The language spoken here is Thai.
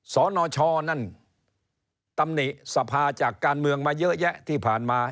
สนชนั่นตำหนิสภาจากการเมืองมาเยอะแยะที่ผ่านมา